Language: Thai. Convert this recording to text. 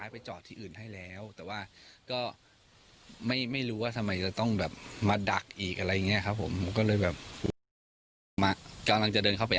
ไม่รู้ว่าทำไมจะต้องแบบมาดักอีกอะไรเนี่ยครับผมก็เลยแบบกำลังจะเดินเข้าไป